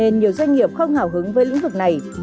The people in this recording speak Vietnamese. doanh nghiệp không hào hứng với lĩnh vực này